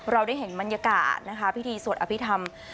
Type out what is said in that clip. เราได้เห็นบรรยากาศนะคะพิธีสวดอภิษฐรรม